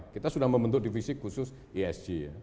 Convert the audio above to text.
kita sudah membentuk divisi khusus esg ya